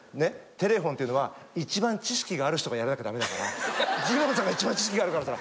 テレフォンっていうのは一番知識がある人がやらなきゃダメだからジモンさんが一番知識があるからさ」。